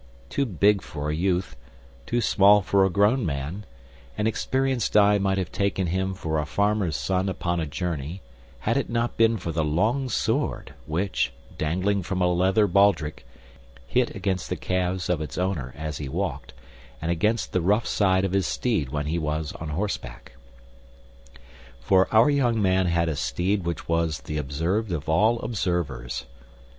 Too big for a youth, too small for a grown man, an experienced eye might have taken him for a farmer's son upon a journey had it not been for the long sword which, dangling from a leather baldric, hit against the calves of its owner as he walked, and against the rough side of his steed when he was on horseback. For our young man had a steed which was the observed of all observers.